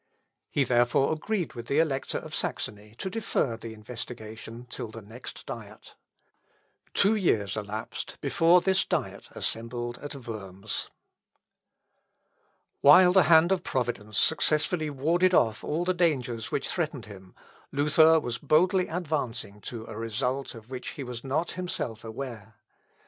He therefore agreed with the Elector of Saxony to defer the investigation till the next diet. Two years elapsed before this diet assembled at Worms. [Sidenote: PUBLICATION OF LUTHER'S WORKS.] While the hand of Providence successfully warded off all the dangers which threatened him, Luther was boldly advancing to a result of which he was not himself aware.